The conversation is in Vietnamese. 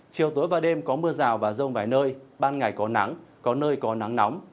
chiều tối và đêm có mưa rào và rông vài nơi ban ngày có nắng có nơi có nắng nóng